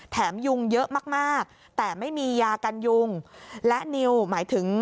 ยุงเยอะมากมากแต่ไม่มียากันยุงและนิวหมายถึง